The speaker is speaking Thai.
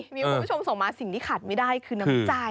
มีคุณผู้ชมส่งมาสิ่งที่ขาดไม่ได้คือน้ำใจ